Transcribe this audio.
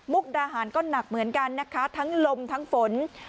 ดาหารก็หนักเหมือนกันนะคะทั้งลมทั้งฝน